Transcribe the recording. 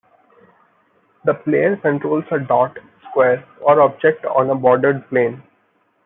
The player controls a dot, square, or object on a bordered plane.